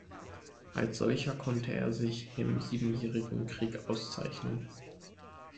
Als solcher konnte er sich im Siebenjährigen Krieg auszeichnen.